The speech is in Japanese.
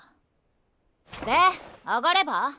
で上がれば？